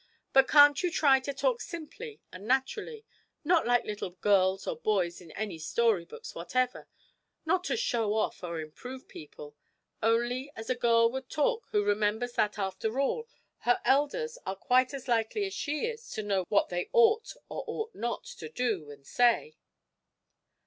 But can't you try to talk simply and naturally not like little girls or boys in any story books whatever not to "show off" or improve people; only as a girl would talk who remembers that, after all, her elders are quite as likely as she is to know what they ought or ought not to do and say?'